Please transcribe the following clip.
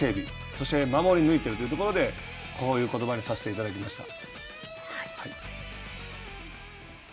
そして守り抜いているということでこういうことばにさしていただきました。